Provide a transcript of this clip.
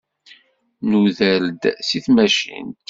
Nuder-d seg tmacint.